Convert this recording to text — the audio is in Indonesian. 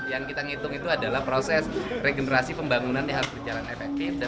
yang kita ngitung itu adalah proses regenerasi pembangunannya harus berjalan efektif